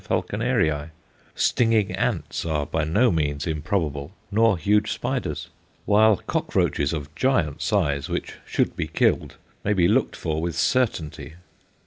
Falconerii_; stinging ants are by no means improbable, nor huge spiders; while cockroaches of giant size, which should be killed, may be looked for with certainty.